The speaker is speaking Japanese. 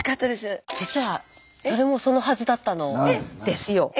実はそれもそのはずったのですよ。